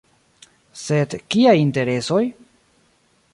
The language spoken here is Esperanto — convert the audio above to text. Sed kiaj interesoj?